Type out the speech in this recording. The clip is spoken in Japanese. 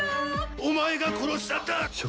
お前が殺したんだ！